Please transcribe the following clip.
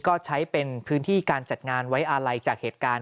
ก็ใช้เป็นพื้นที่การจัดงานไว้อาลัยจากเหตุการณ์